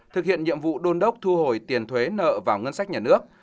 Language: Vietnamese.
thực hiện nhiệm vụ đôn đốc thu hồi tiền thuế nợ vào ngân sách nhà nước